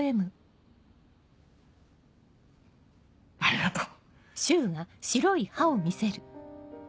ありがとう。